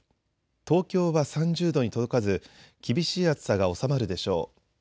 東京は３０度に届かず厳しい暑さが収まるでしょう。